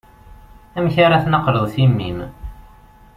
Amek ara tnaqleḍ timmi-m.